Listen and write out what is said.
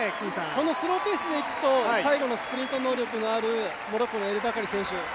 このスローペースでいくと、最後のスプリント能力のあるエル・バカリ選手